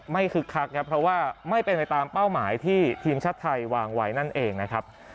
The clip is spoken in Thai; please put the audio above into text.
คึกคักครับเพราะว่าไม่เป็นไปตามเป้าหมายที่ทีมชาติไทยวางไว้นั่นเองนะครับ